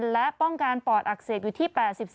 และป้องกันปอดอักเสบอยู่ที่๘๔